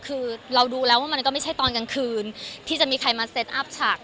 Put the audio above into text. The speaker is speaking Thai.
คือเราดูแล้วว่ามันก็ไม่ใช่ตอนกลางคืนที่จะมีใครมาเซตอัพฉาก